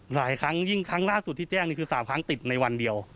หลายครั้งยิ่งครั้งล่าสุดที่แจ้งนี่คือ๓ครั้งติดในวันเดียว